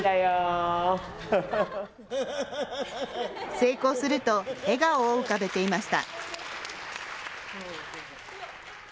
成功すると笑顔を浮かべていました。